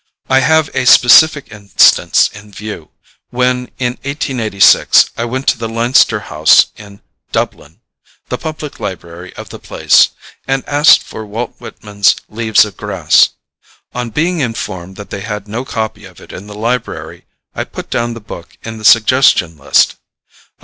I have a specific instance in view, when, in 1886, I went to the Leinster House in Dublin the public library of the place and asked for Walt Whitman's "Leaves of Grass." On being informed that they had no copy of it in the library, I put down the book in the suggestion list.